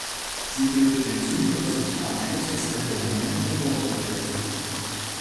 Sie bildet den südöstlichen Abschluss des Wilhelminum-Gebäudekomplexes.